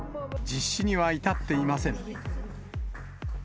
実施には至っていません。